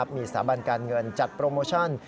มีสถาบันการเงินจัดโปรโมชั่น